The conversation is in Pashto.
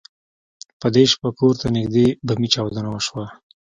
په دې شپه کور ته نږدې بمي چاودنه وشوه.